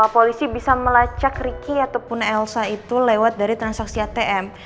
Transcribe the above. polisi bisa melacak ricky ataupun elsa itu lewat dari transaksi atm